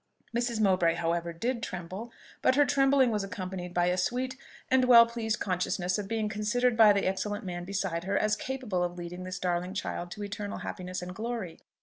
Mrs. Mowbray, however, did tremble; but her trembling was accompanied by a sweet and well pleased consciousness of being considered by the excellent man beside her as capable of leading this darling child to eternal happiness and glory.